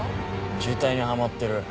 渋滞にはまってる。